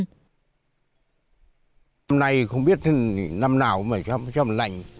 hôm nay không biết năm nào mà trong lạnh